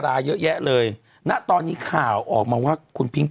มาเท่ากินโรงนี้โครกดัง